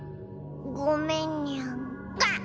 ごめんニャがっ！